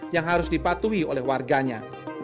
yang harus dipatuhi oleh warganya